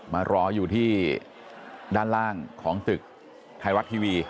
มารออยู่ที่ด้านล่างของตึกไทยรัฐทีวี